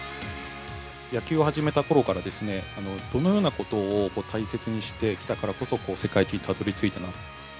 野球を始めたころから、どのようなことを大切にしてきたからこそ、世界一にたどりついたと。